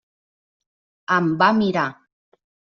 Em va mirar.